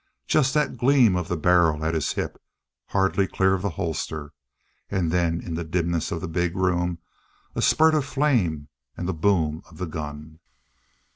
Just that gleam of the barrel at his hip, hardly clear of the holster, and then in the dimness of the big room a spurt of flame and the boom of the gun.